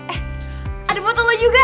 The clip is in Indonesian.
eh ada foto lo juga